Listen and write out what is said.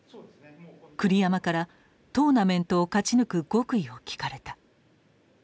栗山からトーナメントを勝ち抜く極意を聞かれた。